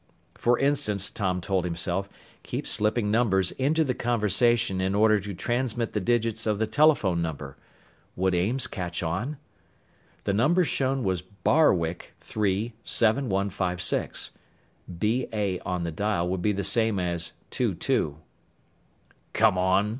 For instance, Tom told himself, keep slipping numbers into the conversation in order to transmit the digits of the telephone number. Would Ames catch on? The number shown was BArwick 3 7156. BA on the dial would be the same as "2, 2." "Come on!